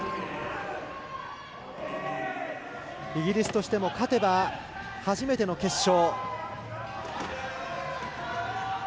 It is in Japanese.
イギリスとしても勝てば初めての決勝。